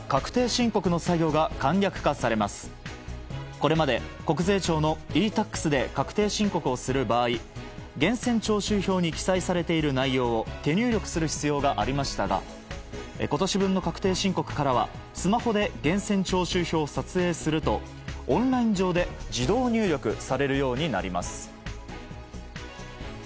これまで国税庁のｅ‐Ｔａｘで確定申告をする場合源泉徴収票に記載されている内容を手入力する必要がありましたが今年分の確定申告からはスマホで源泉徴収票を撮影すると、オンライン上で自動入力されるようになります。